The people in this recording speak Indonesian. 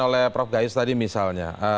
oleh prof gayus tadi misalnya